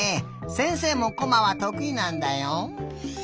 せんせいもコマはとくいなんだよ。